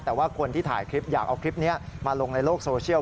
แต่ว่าคนที่ถ่ายคลิปอยากเอาคลิปนี้มาลงในโลกโซเชียล